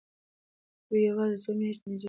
دوی یوازې څو میاشتې نږدې پاتې کېږي.